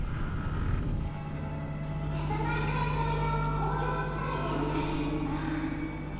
瀬戸内海沿いの工業地帯で見られるのが。